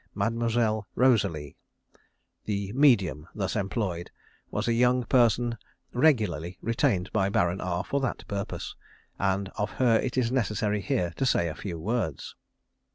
Mademoiselle Rosalie, "the medium" thus employed, was a young person regularly retained by Baron R for that purpose, and of her it is necessary here to say a few words.